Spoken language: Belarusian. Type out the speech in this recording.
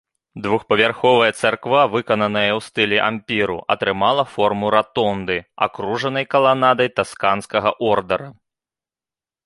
Двухпавярховая царква, выкананая ў стылі ампіру, атрымала форму ратонды, акружанай каланадай тасканскага ордара.